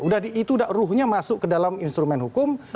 udah itu udah ruhnya masuk ke dalam instrumen hukum